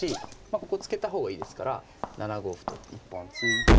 ここ突けた方がいいですから７五歩と一本突いて。